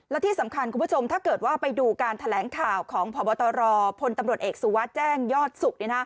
และที่สำคัญคุณผู้ชมถ้าเกิดว่าไปดูการแถลงข่าวของพบตรพลตำรวจเอกสุวัสดิ์แจ้งยอดสุข